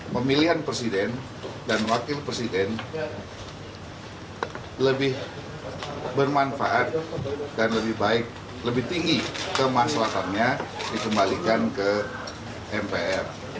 pemilihan presiden dan wakil presiden lebih bermanfaat dan lebih baik lebih tinggi kemaslahannya dikembalikan ke mpr